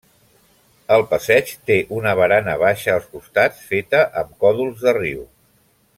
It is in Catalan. El passeig té una barana baixa als costats feta amb còdols de riu.